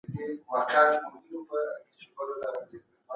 څېړنه کولای سي د ټولني ډېرې ستونزي حل کړي.